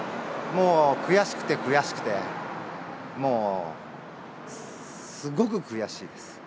もう悔しくて悔しくて、もうすごく悔しいです。